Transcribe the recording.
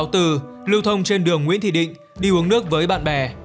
lưu thông trên đường nguyễn thị định đi uống nước với bạn bè